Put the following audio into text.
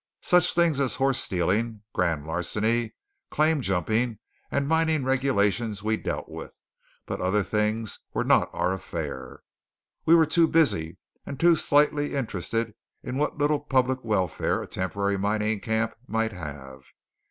Such things as horse stealing, grand larceny, claim jumping, and mining regulations we dealt with; but other things were not our affair. We were too busy, and too slightly interested in what little public welfare a temporary mining camp might have.